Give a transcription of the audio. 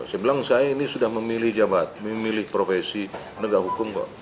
saya bilang saya ini sudah memilih jabat memilih profesi negah hukum kok